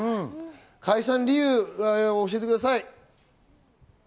解散理由を教えてください。